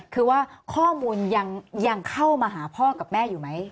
คือว่าข้อมูลยังเข้ามาหาพ่อกับแม่อยู่ไหม